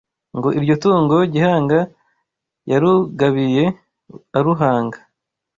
Ngo iryo tungo Gihanga Yarugabiye aruhanga